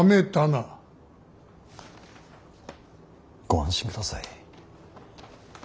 ご安心ください。